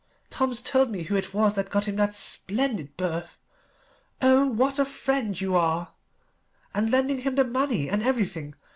Tom's told me who it was that got him that splendid berth. Oh what a friend you are! And lending him the money and everything.